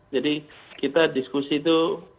jadi kita diskusi itu